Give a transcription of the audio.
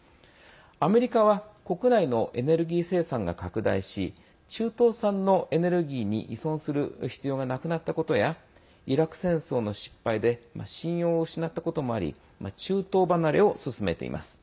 アメリカは国内のエネルギー生産が拡大し中東産のエネルギーに依存する必要がなくなったことやイラク戦争の失敗で信用を失ったこともあり中東離れを進めています。